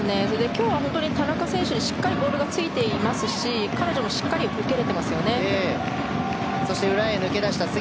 今日は田中選手にしっかりボールがついていますし彼女もしっかり受けれていますね。